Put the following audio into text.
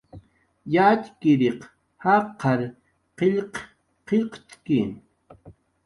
Yatxchiriq jaqar qillq qillqt'ki